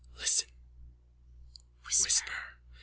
_ Listen. Whisper.